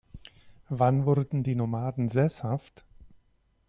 Wann wurden die Nomaden sesshaft?